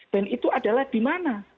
dan itu adalah di mana